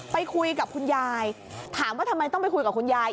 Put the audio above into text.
ไปคุยกับคุณยายถามว่าทำไมต้องไปคุยกับคุณยาย